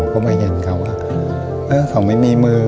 ผมมาเห็นเขาว่าเขาไม่มีมือ